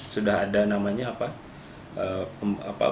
sudah ada namanya apa batasan batasan ya